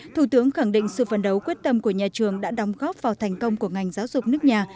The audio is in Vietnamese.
thủ tướng khẳng định sự phấn đấu quyết tâm của nhà trường đã đóng góp vào thành công của ngành giáo dục nước nhà